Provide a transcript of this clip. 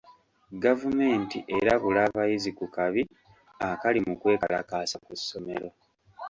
Gavumenti erabula abayizi ku kabi akali mu kwekalakaasa ku ssomero.